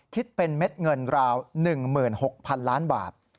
คิดเป็นเม็ดเงินราว๑๖๐๐๐ล้านบาท